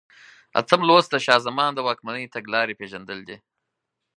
اتم لوست د شاه زمان د واکمنۍ تګلارې پېژندل دي.